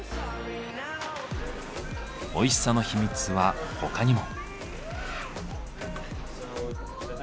おいしさの秘密は他にも。